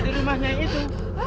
di rumahnya itu